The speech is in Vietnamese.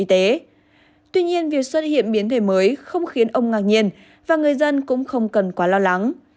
tuy nhiên việc xuất hiện biến thể mới không khiến ông ngạc nhiên và người dân cũng không cần quá lo lắng